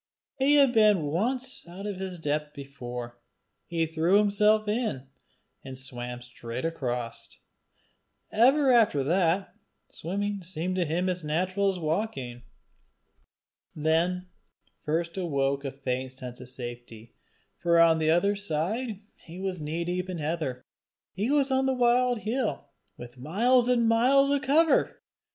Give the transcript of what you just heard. He had been once out of his depth before: he threw himself in, and swam straight across: ever after that, swimming seemed to him as natural as walking. Then first awoke a faint sense of safety; for on the other side he was knee deep in heather. He was on the wild hill, with miles on miles of cover!